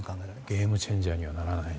ゲームチェンジャーにはならない。